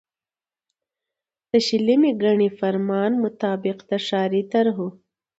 د شلمي ګڼي فرمان مطابق د ښاري طرحو